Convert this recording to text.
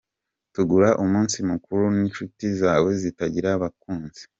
Tegura umunsi mukuru n’inshuti zawe zitagira abakunzi.